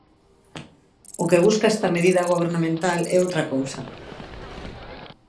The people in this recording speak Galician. O que busca esta medida gobernamental é outra cousa.